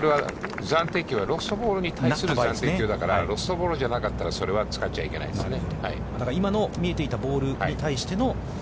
だから、それは暫定球はロストボールに対する暫定球だから、ロストボールじゃなかったら、それは使っちゃいけないですね。